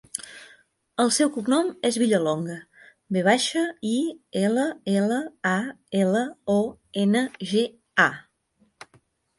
El seu cognom és Villalonga: ve baixa, i, ela, ela, a, ela, o, ena, ge, a.